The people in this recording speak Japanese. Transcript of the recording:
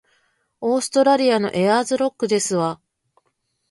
オーストラリアのエアーズロックですわ